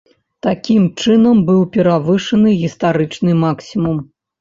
Такім чынам, быў перавышаны гістарычны максімум.